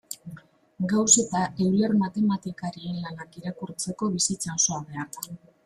Gauss eta Euler matematikarien lanak irakurtzeko bizitza osoa behar da.